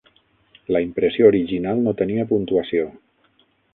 La impressió original no tenia puntuació.